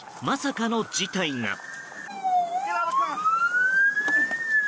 まさかの事態が。